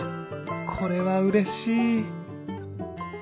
これはうれしい！